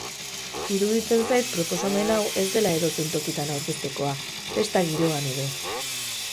Iruditzen zait proposamen hau ez dela edozein tokitan aurkeztekoa, festa giroan edo.